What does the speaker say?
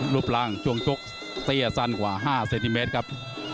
รุ่นทางด้านจุ่มจบเต้อสั้นกว่า๕ซันติเมตรครับ